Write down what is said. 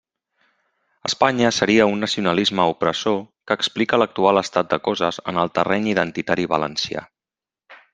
Espanya seria un nacionalisme opressor que explica l'actual estat de coses en el terreny identitari valencià.